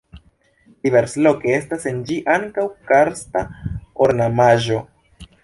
Diversloke estas en ĝi ankaŭ karsta ornamaĵo.